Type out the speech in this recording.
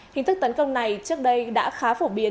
hình thức tấn công này trước đây đã khá phổ biến